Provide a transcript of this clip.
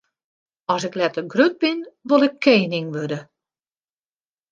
As ik letter grut bin, wol ik kening wurde.